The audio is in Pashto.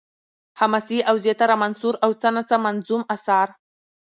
حماسې او زياتره منثور او څه نا څه منظوم اثار